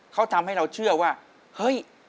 เขาทำให้เราเชื่อว่าเฮ้ย